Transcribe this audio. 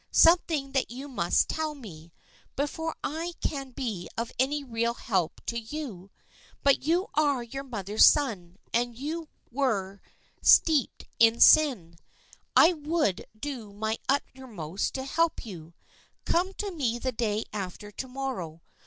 Something that you must tell me, before I can be of any real help to you. But you are your mother's son, and were you steeped in sin, I would do my uttermost to help you. Come to me the day after to morrow.